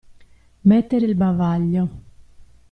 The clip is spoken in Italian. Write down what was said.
Mettere il bavaglio.